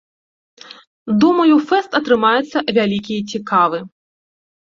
Думаю фэст атрымаецца вялікі і цікавы.